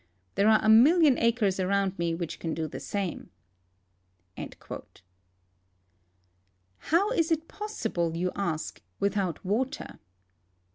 There are a million acres around me which can do the same." How is it possible, you ask, without water?